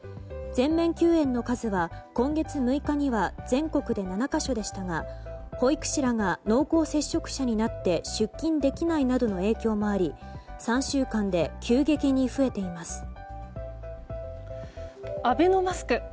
全面休園の数は今月６日には全国で７か所でしたが保育士らが濃厚接触者になって出勤できないなどの影響もあり３週間で急激に増えています。